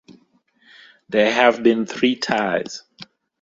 There have been three ties.